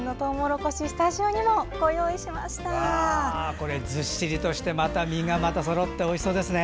これ、ずっしりとして実がまたそろっておいしそうです。